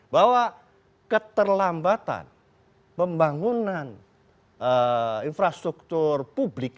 bahwa keterlambatan pembangunan infrastruktur publik